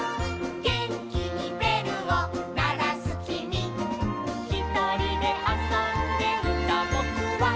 「げんきにべるをならすきみ」「ひとりであそんでいたぼくは」